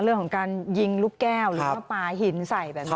เรื่องของการยิงลูกแก้วหรือว่าปลาหินใส่แบบนี้